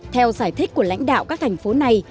theo giải thích của lãnh đạo các thành phố này